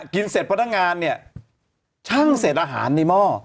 เสร็จพนักงานเนี่ยช่างเศษอาหารในหม้อ